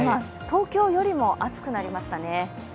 東京よりも暑くなりましたね。